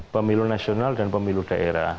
pemilu nasional dan pemilu daerah